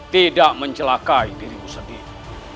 tidak mencelakai dirimu sendiri